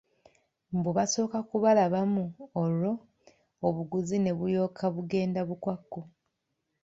Mbu basooka kubalabamu olwo obuguzi ne bulyoka bugenda bukwakku!